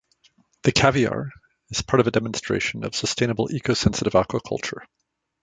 The caviar is part of a demonstration of sustainable eco-sensitive aquaculture.